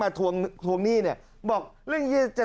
อาทิตย์๒๕อาทิตย์